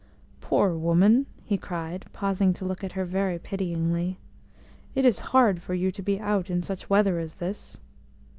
"Poor woman," he cried, pausing to look at her very pityingly. "It is hard for you to be out in such weather as this."